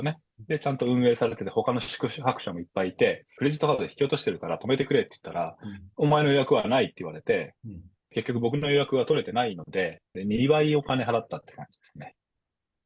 ちゃんと運営されてて、ほかの宿泊者もいっぱいいて、クレジットカードで引き落としてるから泊めてくれって言ったら、お前の予約はないって言われて、結局、僕の予約は取れてないので、２倍お金を払ったっていう感じですね。